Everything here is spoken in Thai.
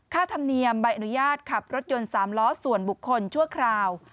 ธรรมเนียมใบอนุญาตขับรถยนต์๓ล้อส่วนบุคคลชั่วคราว